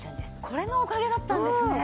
これのおかげだったんですね。